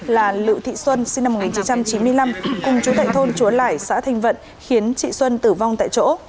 là lự thị xuân sinh năm một nghìn chín trăm chín mươi năm cùng chú tại thôn chúa lại xã thanh vận khiến chị xuân tử vong tại chỗ